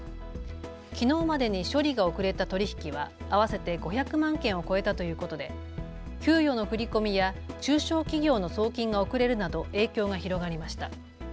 きのうまでに処理が遅れた取り引きは合わせて５００万件を超えたということで給与の振り込みや中小企業の送金が遅れるなど影響が広がりました。